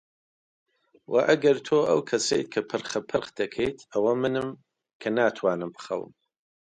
و ئەگەر تۆ ئەو کەسەیت کە پرخەپرخ دەکەیت، ئەوە منم کە ناتوانم بخەوم.